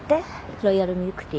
ロイヤルミルクティー？